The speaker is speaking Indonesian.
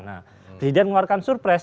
nah presiden mengeluarkan surprise